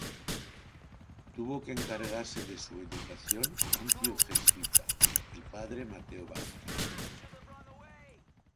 Tuvo que encargarse de su educación un tío jesuita, el padre Mateo Vázquez.